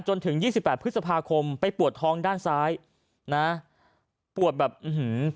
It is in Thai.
จนถึงยี่สิบแปดพฤษภาคมไปปวดท้องด้านซ้ายนะปวดแบบอื้อหือ